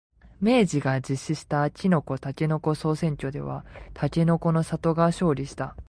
明治が実施したきのこ、たけのこ総選挙ではたけのこの里が勝利した。